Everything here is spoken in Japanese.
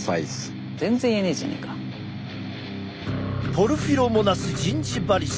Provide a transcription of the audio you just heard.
ポルフィノモナスジンジバリス